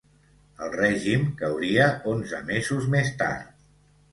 El règim cauria onze mesos més tard.